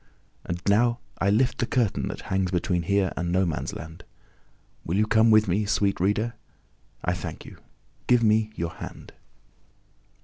And now I lift the curtain that hangs between here and No man's land. Will you come with me, sweet Reader? I thank you. Give me your hand.